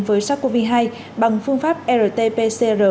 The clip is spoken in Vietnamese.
với sars cov hai bằng phương pháp rt pcr